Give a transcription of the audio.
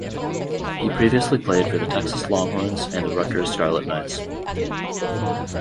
He previously played for the Texas Longhorns and the Rutgers Scarlet Knights.